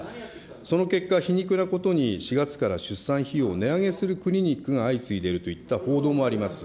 その結果、皮肉なことに４月から出産費用を値上げするクリニックが相次いでいるといった報道もあります。